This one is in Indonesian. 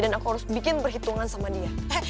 dan aku harus bikin perhitungan sama dia